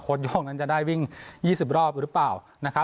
โย่งนั้นจะได้วิ่ง๒๐รอบหรือเปล่า